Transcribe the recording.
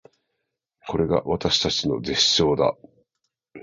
これが私たちの絶唱だー